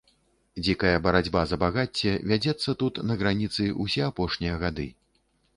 Дзікая барацьба за багацце вядзецца тут, на граніцы, усе апошнія гады.